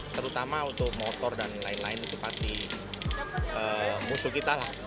terutama untuk motor dan lain lain itu pasti musuh kita lah